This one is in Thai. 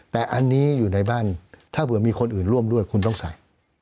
แต่อันนี้อยู่ในบ้านถ้าเผื่อมีคนอื่นร่วมด้วยคุณต้องใส่